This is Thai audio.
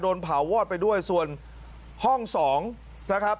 โดนเผาวอดไปด้วยส่วนห้อง๒นะครับ